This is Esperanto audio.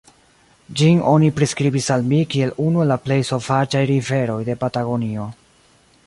Ĝin oni priskribis al mi kiel unu el la plej sovaĝaj riveroj de Patagonio.